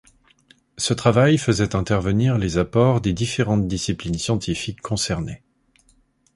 Ce travail faisait intervenir les apports des différentes disciplines scientifiques concernées.